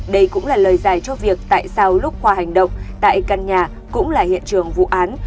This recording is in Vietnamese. đây cũng là lời giải cho việc tại sao lúc khoa hành động tại căn nhà cũng là hiện trường vụ án